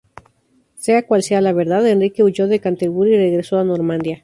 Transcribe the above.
Sea cual sea la verdad, Enrique huyó de Canterbury y regresó a Normandía.